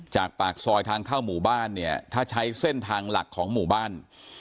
ปากซอยทางเข้าหมู่บ้านเนี่ยถ้าใช้เส้นทางหลักของหมู่บ้าน